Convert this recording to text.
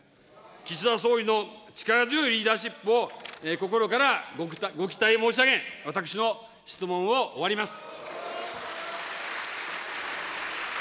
岸田総理の力強いリーダーシップを心からご期待申し上げ、私の質問を終わります。